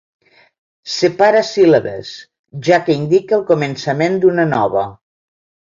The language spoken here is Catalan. Separa síl·labes, ja que indica el començament d"una nova.